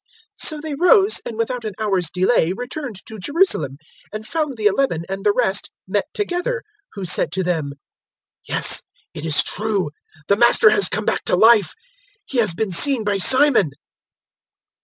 024:033 So they rose and without an hour's delay returned to Jerusalem, and found the Eleven and the rest met together, who said to them, 024:034 "Yes, it is true: the Master has come back to life. He has been seen by Simon."